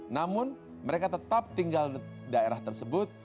namun mereka tetap tinggal di daerah tersebut